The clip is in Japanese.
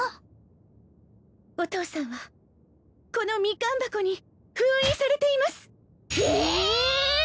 お父さんはこのミカン箱に封印されていますえ！